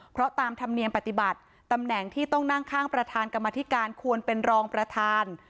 เพราะตามธรรมเนียมปฏิบัติตำแหน่งที่ต้องนั่งข้างประธานกรรมธิการควรเป็นรองประธาน